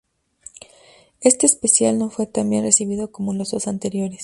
Este especial no fue tan bien recibido como los dos anteriores.